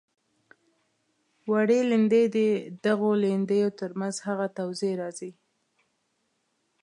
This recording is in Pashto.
وړې لیندۍ د دغو لیندیو تر منځ هغه توضیح راځي.